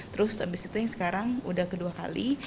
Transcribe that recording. terus abis itu yang sekarang udah kedua kali